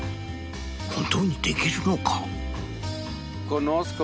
本当にできるのか？